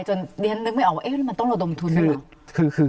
จนเรียนลึกไม่ออกว่ามันต้องระดมทุนเหรอ